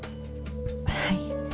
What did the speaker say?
はい。